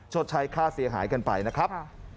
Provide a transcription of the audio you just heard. ชดใช้ค่าเสียหายกันไปนะครับ